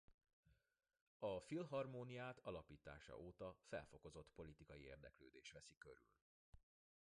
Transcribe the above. A Filharmóniát alapítása óta felfokozott politikai érdeklődés veszi körül.